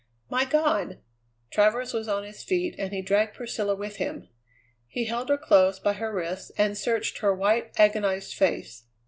"My God!" Travers was on his feet, and he dragged Priscilla with him. He held her close by her wrists and searched her white, agonized face.